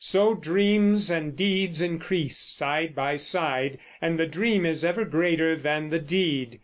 So dreams and deeds increase side by side, and the dream is ever greater than the deed.